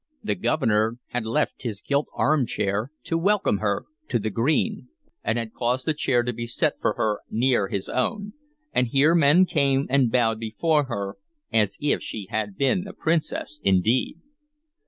The Governor had left his gilt armchair to welcome her to the green, and had caused a chair to be set for her near his own, and here men came and bowed before her as if she had been a princess indeed.